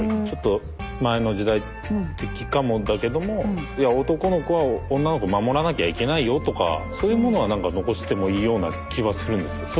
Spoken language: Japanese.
ちょっと前の時代的かもだけどもいや男の子は女の子守らなきゃいけないよとかそういうものはなんか残してもいいような気はするんです。